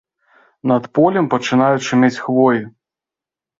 Над полем пачынаюць шумець хвоі!